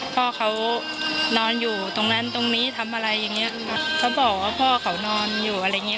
พ่อเขานอนอยู่ตรงนั้นตรงนี้ทำอะไรอย่างเงี้ยเขาบอกว่าพ่อเขานอนอยู่อะไรอย่างเงี้